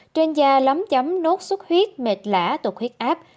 trên da lấm chấm nốt sốt huyết mệt lã tục huyết áp